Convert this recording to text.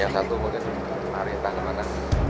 yang satu mungkin lari ke mana mana